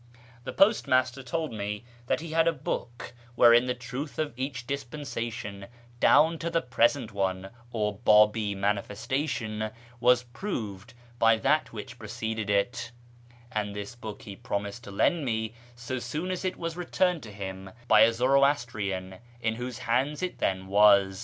The postmaster told me that he had a book wherein the truth of each dispensation, down to the present one (or Babi "Manifestation"), was proved by that which preceded it; and this book he promised to lend me so soon as it was returned to him by a Zoroastrian in whose hands it then was.